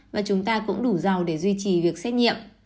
và chúng ta cũng đủ giàu để duy trì việc xét nghiệm